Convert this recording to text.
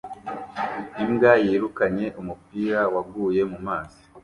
Imbwa yirukanye umupira waguye mumazi